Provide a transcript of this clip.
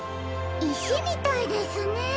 いしみたいですね。